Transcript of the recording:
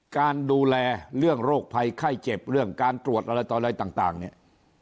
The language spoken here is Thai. การดูแลเรื่องโรคภัยไข้เจ็บเรื่องการตรวจอะไรต่ออะไรต่างเนี่ย